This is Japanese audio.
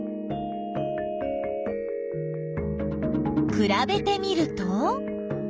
くらべてみると？